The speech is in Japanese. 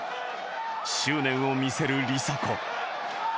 執念を見せる梨紗子。